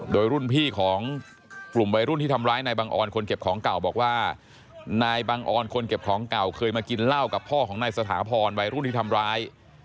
โดยรุ่นพี่ของกลุ่มวัยรุ่นที่ทำร้ายนายบังออนคนเก็บของเก่าบอกว่านายบังออนคนเก็บของเก่าเคยมากินเหล้ากับพ่อของนายสถาพรวัยรุ่นที่ทำร้าย